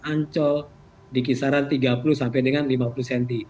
ancol di kisaran tiga puluh sampai dengan lima puluh cm